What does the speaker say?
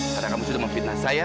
karena kamu sudah membitnah saya